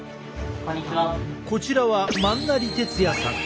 こちらは萬成哲也さん。